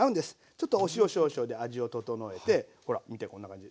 ちょっとお塩少々で味を調えてほら見てこんな感じ。